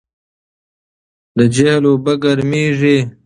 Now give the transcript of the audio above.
د جهیل اوبه ګرمېږي.